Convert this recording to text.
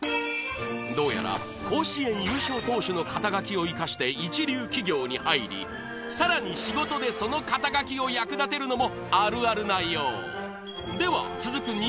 どうやら甲子園優勝投手の肩書を生かして一流企業に入りさらに仕事でその肩書を役立てるのもあるあるなようでは続く